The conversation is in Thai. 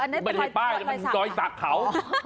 ไม่ใช่ป้ายมันเป็นรอยสักเขา